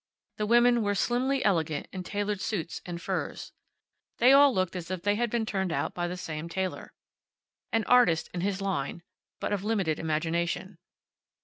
The women were slimly elegant in tailor suits and furs. They all looked as if they had been turned out by the same tailor. An artist, in his line, but of limited imagination.